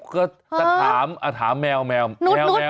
ก็ถามแมว